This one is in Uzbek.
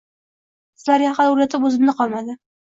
Sizlarga aql o`rgatib o`zimda qolmadi